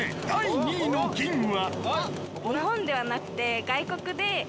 ２位の銀は。